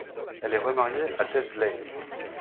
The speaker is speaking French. Elle est remariée à Ted Lay.